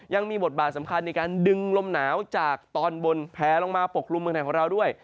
ยังมีบทบาทสำคัญในการดึงลมหนาวจากตอนบนแผลลงมาปกครุมเมืองไทยของเราด้วย